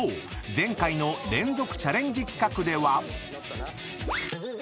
前回の連続チャレンジ企画では］